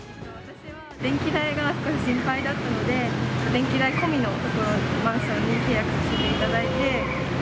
電気代が少し心配だったので、電気代込みの所に、マンションに契約させていただいて。